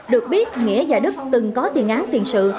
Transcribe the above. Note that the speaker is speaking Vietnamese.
được biết nghĩa và đức từng có tiền án tiền sự